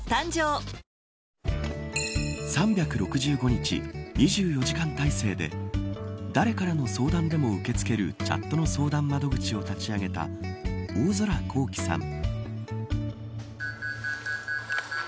３６５日２４時間態勢で誰からの相談でも受け付けるチャットの相談窓口を立ち上げた大空幸星さん。